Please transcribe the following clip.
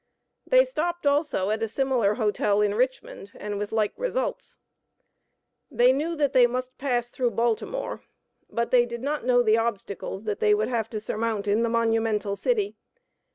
They stopped also at a similar hotel in Richmond, and with like results. They knew that they must pass through Baltimore, but they did not know the obstacles that they would have to surmount in the Monumental City.